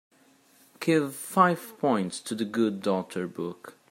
Give five points to The Good Daughter book